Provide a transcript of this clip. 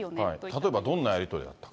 例えばどんなやり取りだったか。